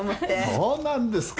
そうなんですか。